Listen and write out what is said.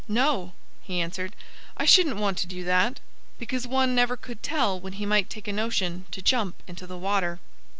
"No!" he answered. "I shouldn't want to do that, because one never could tell when he might take a notion to jump into the water."